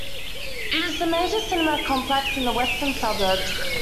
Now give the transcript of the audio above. It is the major cinema complex in the Western Suburbs.